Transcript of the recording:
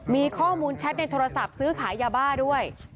มีข้อมูลแชทในโทรศัพท์ซื้อขายยาบ้าด้วย